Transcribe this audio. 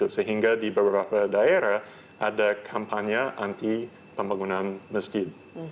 sehingga di beberapa daerah ada kampanye anti pembangunan masjid